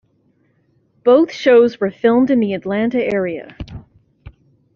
Both shows were filmed in the Atlanta area.